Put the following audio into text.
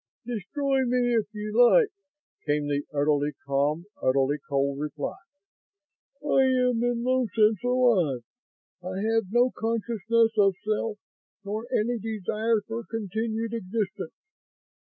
"Destroy me if you like," came the utterly calm, utterly cold reply. "I am in no sense alive. I have no consciousness of self nor any desire for continued existence.